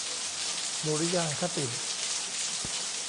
ดุริยางคศิลป์